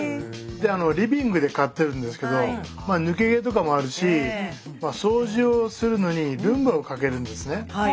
リビングで飼ってるんですけど抜け毛とかもあるし掃除をするのにルンバをかけるんですね。